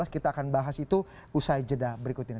kita akan bahas itu usai jeda berikut ini